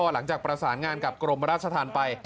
หลังจากประสานงานกับกรมราชธรรมไป